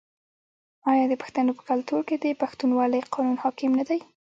آیا د پښتنو په کلتور کې د پښتونولۍ قانون حاکم نه دی؟